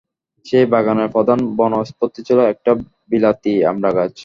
সেই বাগানের প্রধান বনস্পতি ছিল একটা বিলাতি আমড়া গাছ।